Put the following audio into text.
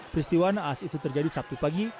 peristiwa naas itu terjadi sabtu pagi